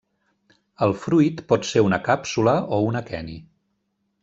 El fruit pot ser una càpsula o un aqueni.